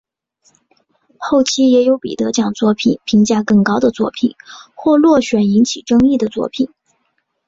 后期也有比得奖作品评价更高的作品或落选引起争议的作品。